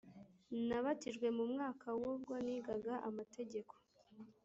nabatijwe mu mwaka w ubwo nigaga amategeko